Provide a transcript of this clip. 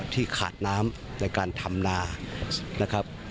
ที่ขาดน้ำในการทำนานะครับ